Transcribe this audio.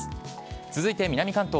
続いて南関東。